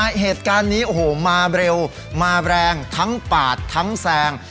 เหตุการณ์นี้โอ้โหมาเร็วมาแรงทั้งปาดทั้งแซง